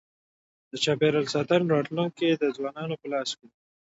د چاپېریال ساتنې راتلونکی د ځوانانو په لاس کي دی.